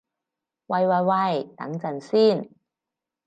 喂喂喂，等陣先